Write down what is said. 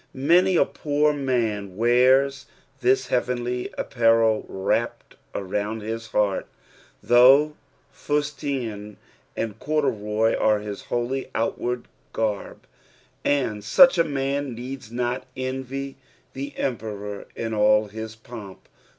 Many a poor man wears this heavenly apparel wrapped around his heart, though fustian and cordnroy are bis only outward garb ; and such a man needs not envy the emperor in all his pomp.